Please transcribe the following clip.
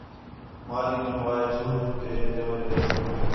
مالک جوں آ ہے چھوٹو تے جولے